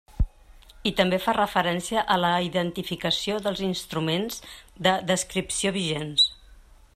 I també fa referència a la identificació dels instruments de descripció vigents.